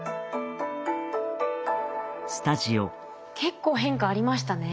結構変化ありましたね。